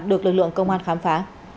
được lực lượng công an khám phá